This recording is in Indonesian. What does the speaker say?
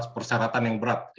persyaratan yang berat